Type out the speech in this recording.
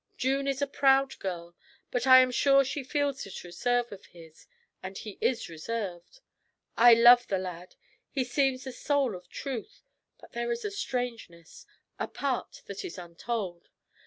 June is a proud girl, but I am sure she feels this reserve of his, and he is reserved. I love the lad; he seems the soul of truth. But there is a strangeness, a part that is untold.